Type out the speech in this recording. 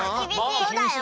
そうだよ。